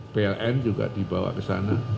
pln juga dibawa ke sana